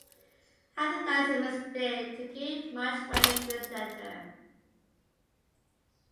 I think that it's a mistake to give much weight to this letter.